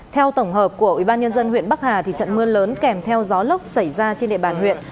theo tổng hợp của ubnd huyện bắc hà trận mưa lớn kèm theo gió lốc xảy ra trên địa bàn huyện